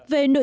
về nguồn thải